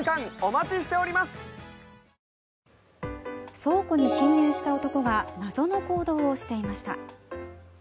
倉庫に侵入した男が謎の行動をしていました。